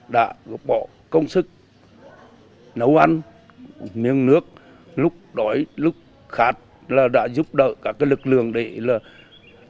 đã góp bỏ công sức nấu ăn miếng nước lúc đói lúc khát là đã giúp đỡ các lực lượng để hoàn thành tốt các nhiệm vụ